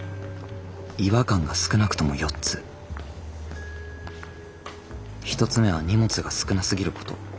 違和感が少なくとも４つ１つ目は荷物が少なすぎること。